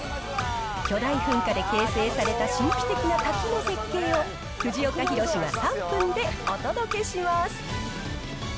巨大噴火で形成された神秘的な滝の絶景を藤岡弘、が３分でお届けします。